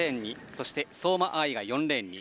そして相馬あいが４レーンに。